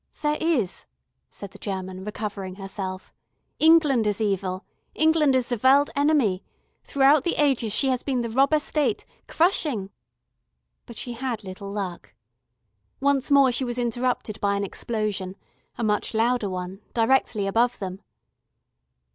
"There is," said the German, recovering herself. "England is Evil. England is the World Enemy. Throughout the ages she has been the Robber State, crushing " But she had little luck. Once more she was interrupted by an explosion, a much louder one, directly above them.